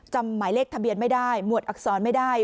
หมายเลขทะเบียนไม่ได้หมวดอักษรไม่ได้